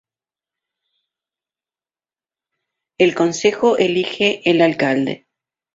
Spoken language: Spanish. El consejo elige el alcalde.